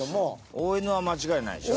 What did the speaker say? ＯＮは間違いないでしょ？